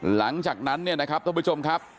หลังจากนั้นเนี่ยนะครับท่านผู้ชมครับ